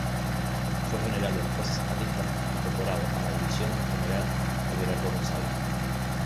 Fue general de las fuerzas zapatistas incorporado a la división del general Everardo González.